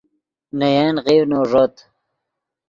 نے ین غیڤنو ݱوت